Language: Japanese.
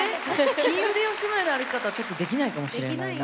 ヒールで吉宗の歩き方はちょっとできないかもしれないな。